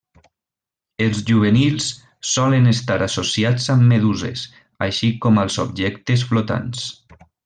Els juvenils solen estar associats amb meduses, així com als objectes flotants.